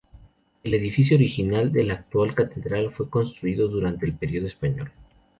El edificio original de la actual catedral fue construido durante el período español.